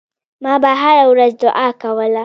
ما به هره ورځ دعا کوله.